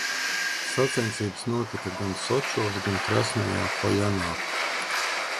Sacensības notika gan Sočos, gan Krasnajā Poļanā.